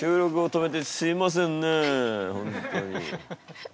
本当に。